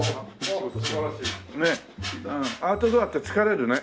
うんアウトドアって疲れるね。